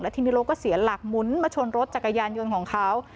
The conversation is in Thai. ทีนี้รถก็เสียหลักหมุนมาชนรถจักรยานยนต์ของเขา